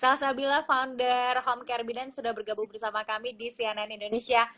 salsabila founder homecare bidan sudah bergabung bersama kami di cnn indonesia